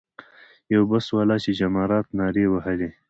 یو بس والا چې جمارات نارې یې وهلې.